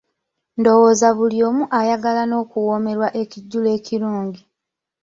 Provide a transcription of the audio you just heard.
Ndowooza buli omu ayagala n'okuwoomerwa ekijjulo ekirungi.